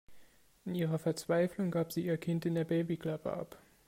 In ihrer Verzweiflung gab sie ihr Kind in der Babyklappe ab.